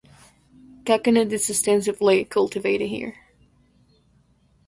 Coconut is extensively cultivated here.